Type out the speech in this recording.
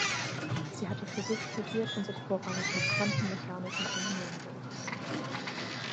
Sie hatte Physik studiert und sich vorrangig mit quantenmechanischen Phänomen befasst.